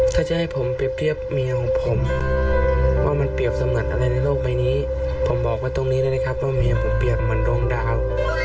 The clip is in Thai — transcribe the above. ถ้าจะให้ผมเปรียบเทียบเมียของผมว่ามันเปรียบเสมือนอะไรในโลกใบนี้ผมบอกไว้ตรงนี้เลยนะครับว่าเมียผมเปรียบเหมือนดวงดาว